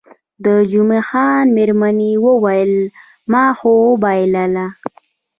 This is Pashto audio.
د جمعه خان میرمنې وویل، ما خو وبایلل.